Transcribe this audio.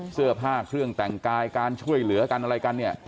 เสื้อผ้าเครื่องแต่งกายการช่วยเหลือกันอะไรกันเนี่ย